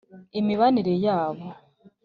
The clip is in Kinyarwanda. Imibanire yabo